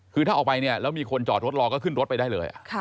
คือถ้าออกไปเนี่ยแล้วมีคนจอดรถรอก็ขึ้นรถไปได้เลย